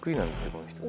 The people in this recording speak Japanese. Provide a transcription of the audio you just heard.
この人。